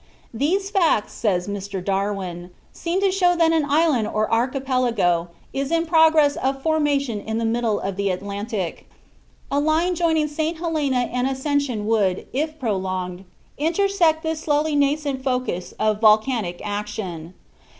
These facts, says Mr. Darwin, seem to show that an island or archipelago is in process of formation in the middle of the Atlantic. A line joining St. Helena and Ascension would, if prolonged, intersect this slowly nascent focus of volcanic action.